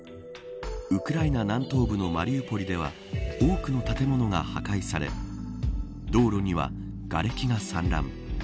ウクライナ南東部のマリウポリでは多くの建物が破壊され道路には、がれきが散乱。